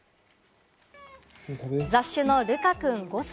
雑種のルカくん５歳。